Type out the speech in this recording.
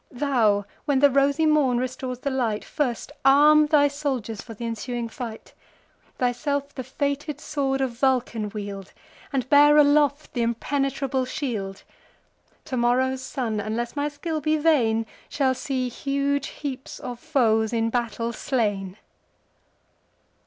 Thou, when the rosy morn restores the light, First arm thy soldiers for th' ensuing fight: Thyself the fated sword of Vulcan wield, And bear aloft th' impenetrable shield. Tomorrow's sun, unless my skill be vain, Shall see huge heaps of foes in battle slain."